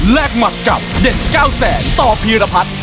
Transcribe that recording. แลกหมัดกับเด็ดเก้าแสงตพีรพัท